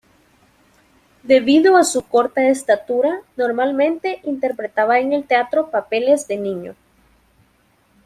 Debido a su corta estatura normalmente interpretaba en el teatro papeles de niño.